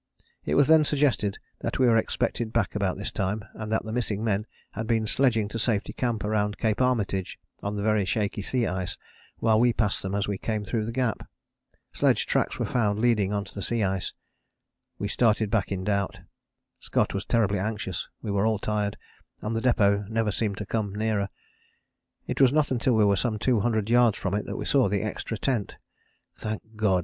It was then suggested that we were expected back about this time, and that the missing men had been sledging to Safety Camp round Cape Armitage on the very shaky sea ice while we passed them as we came through the Gap. Sledge tracks were found leading on to the sea ice: we started back in doubt. Scott was terribly anxious, we were all tired, and the depôt never seemed to come nearer. It was not until we were some two hundred yards from it that we saw the extra tent. "Thank God!"